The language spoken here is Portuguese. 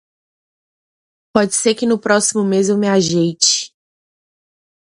Pode ser que no próximo mês eu me ajeite.